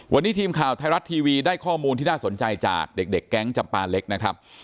วันนี้ทีมข่าวไทยรัฐทีวีได้ข้อมูลที่น่าสนใจจากเด็กแก๊งจำปาเล็กนะครับ